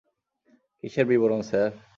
কিসের বিবরণ, স্যার?